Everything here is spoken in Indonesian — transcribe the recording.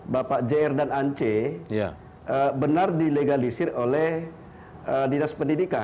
bapak jr dan ance benar dilegalisir oleh dinas pendidikan